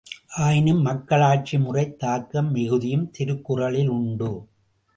ஆயினும் மக்களாட்சிமுறைத் தாக்கம் மிகுதியும் திருக்குறளில் உண்டு.